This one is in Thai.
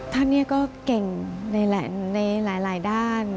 ท่านเนี่ยก็เก่งในหลายด้าน